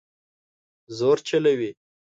زور چلوي